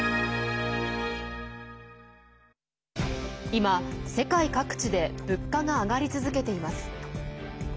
今、世界各地で物価が上がり続けています。